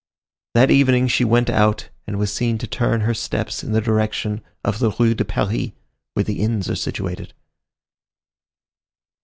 That evening she went out, and was seen to turn her steps in the direction of the Rue de Paris, where the inns are situated.